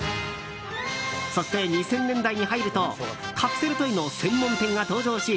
そして、２０００年代に入るとカプセルトイの専門店が登場し